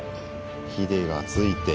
ひでがついて。